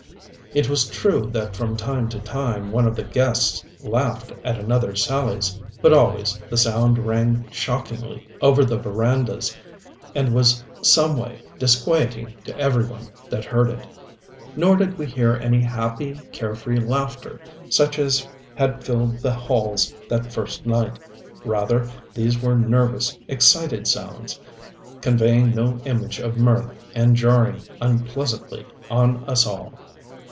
It was true that from time to time one of the guests laughed at another's sallies, but always the sound rang shockingly loud over the verandas and was some way disquieting to every one that heard it. Nor did we hear any happy, carefree laughter such as had filled the halls that first night. Rather these were nervous, excited sounds, conveying no image of mirth, and jarring unpleasantly on us all.